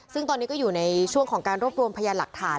ซึ่งตอนนี้ก็อยู่ในช่วงของการรวบรวมพยานหลักฐาน